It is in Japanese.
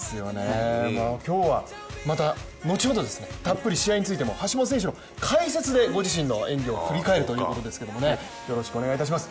今日は後ほどたっぷり試合についても橋本選手の解説でご自身の演技を振り返るということですけれどもよろしくお願いします。